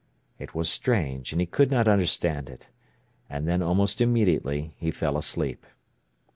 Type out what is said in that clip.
It was strange, and he could not understand it. And then almost immediately he fell asleep.